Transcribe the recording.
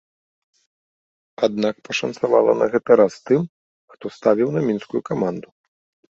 Аднак пашанцавала на гэты раз тым, хто ставіў на мінскую каманду.